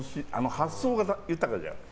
発想が豊かじゃない。